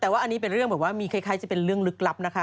แต่ว่าอันนี้เป็นเรื่องแบบว่ามีคล้ายจะเป็นเรื่องลึกลับนะคะ